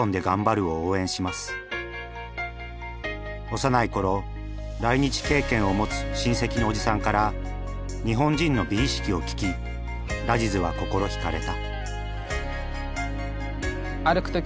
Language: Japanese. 幼い頃来日経験を持つ親戚のおじさんから日本人の美意識を聞きラジズは心惹かれた。